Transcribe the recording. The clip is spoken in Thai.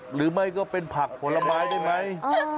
หรือไม่ก็เป็นผักผลไม้ได้ไหม